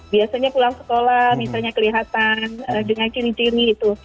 biasanya pulang sekolah misalnya kelihatan dengan ciri ciri itu